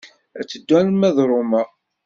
Ad teddu arma d Roma.